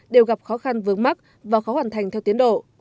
đều gặp khó khăn vướng mắc và khó hoàn thành theo tiến độ